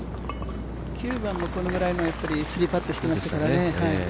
９番もこれぐらいのパットしていましたからね。